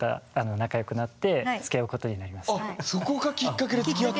あっそこがきっかけでつきあった。